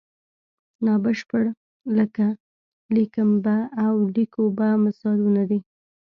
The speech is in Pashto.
نا بشپړ لکه لیکم به او لیکو به مثالونه دي.